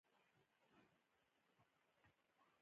د انسانانو په ډله کې د شمېرلو وړ نه دی.